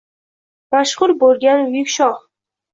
Mashhur bo’lgan buyuk shoh